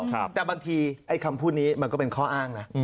แต่บางทีไอ้คำพูดนี้มันก็เป็นข้ออ้างนะ